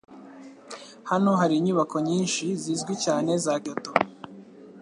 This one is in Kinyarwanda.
Hano hari inyubako nyinshi zizwi cyane za Kyoto